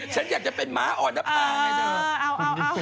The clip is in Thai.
ฉันอยากจะเป็นหมาอ่อนหลับตา